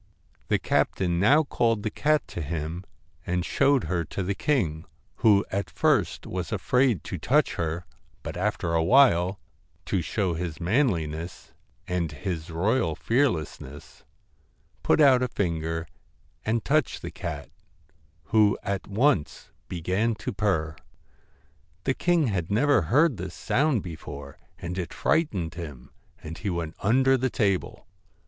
i 129 WHIT The captain now called the cat to him and showed TINGTON her to the king, who at first was afraid to touch CAT ker, but after a while, to show his manliness and his royal fearlessness, put out a finger and touched the cat, who at once began to purr. The king had never heard this sound before, and it frightened him, and he went under the table.